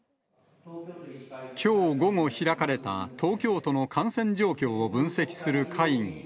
きょう午後開かれた、東京都の感染状況を分析する会議。